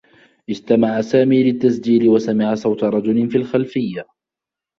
استمع سامي للتّسجيل و سمع صوت رجل في الخلفيّة.